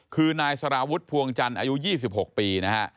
คือนายสารวุฒิพวงจันทร์อายุ๒๖ปีนะฮะ